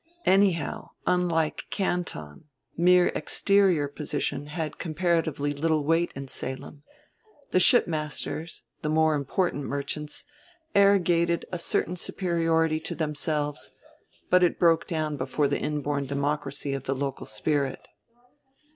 Anyhow, unlike Canton, mere exterior position had comparatively little weight in Salem. The shipmasters, the more important merchants, arrogated a certain superiority to themselves: but it broke down before the inborn democracy of the local spirit.